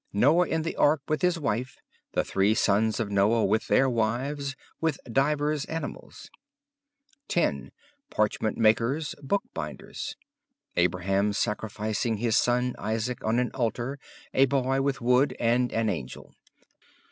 Noah in the Ark, with his wife; the three sons of Noah with their wives; with divers animals. 10. Parchment makers, Bookbinders. Abraham sacrificing his son, Isaac, on an altar, a boy with wood and an angel.